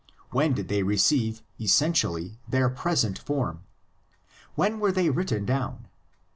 When did they receive essentially their present form? When were they written down?